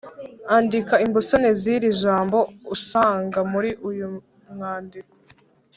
andika imbusane z’iri jambo, usanga muri uyu mwandiko